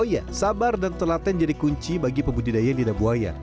oh ya sabar dan telaten jadi kunci bagi pembudidaya lidah buaya